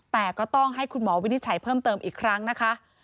แต่ก็ต้องให้คุณหมอวินิจฉัยเพิ่มเติมอีกครั้งนะคะ